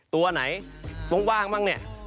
ตัวไหนว่างบ้างเนี่ย